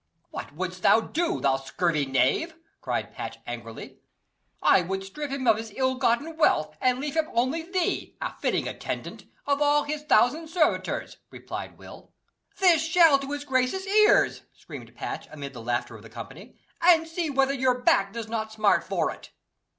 "What wouldst thou do, thou scurril knave?" cried Patch angrily. "I would strip him of his ill gotten wealth, and leave him only thee a fitting attendant of all his thousand servitors," replied Will. "This shall to his grace's ears," screamed Patch, amid the laughter of the company "and see whether your back does not smart for it."